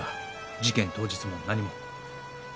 事件当日も何も。